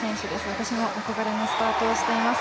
私の憧れのスタートをしています。